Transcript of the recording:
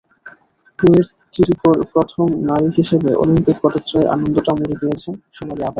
পুয়ের্তোরিকোর প্রথম নারী হিসেবে অলিম্পিক পদক জয়ের আনন্দটা মুড়ে দিয়েছেন সোনালি আভায়।